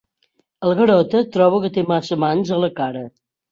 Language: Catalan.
El Garota troba que té massa mans a la cara.